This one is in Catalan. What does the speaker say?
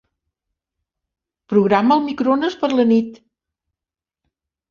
Programa el microones per a la nit.